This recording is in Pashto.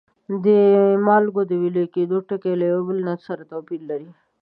د مالګو د ویلي کیدو ټکي یو له بل سره توپیر لري.